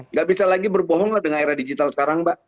nggak bisa lagi berbohong lah dengan era digital sekarang mbak